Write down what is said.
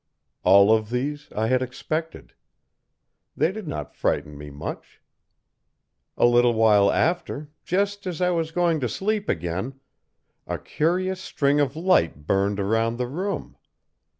All of these I had expected. They did not frighten me much. A little while after, just as I was going to sleep again, a curious string of light burned around the room.